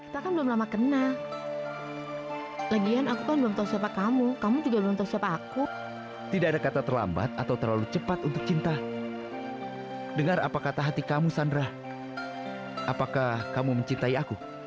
sampai jumpa di video selanjutnya